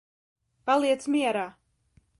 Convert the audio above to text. Paliec mierā.